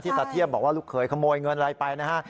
ตาเทียบบอกว่าลูกเคยขโมยเงินอะไรไปนะฮะ